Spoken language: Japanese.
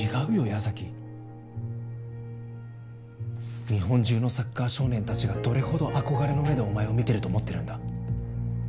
矢崎日本中のサッカー少年達がどれほど憧れの目でお前を見てると思ってるんだ